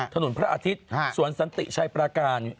ถนนพระอาทิตย์สวรรค์สันติชัยปราการ